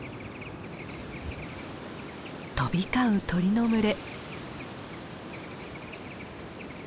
飛び交う鳥の群れ。